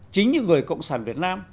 chính những người cộng sản việt nam